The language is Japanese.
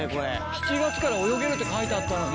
７月から泳げるって書いてあったのに。